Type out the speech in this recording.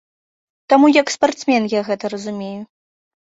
Таму як спартсмен я гэта разумею.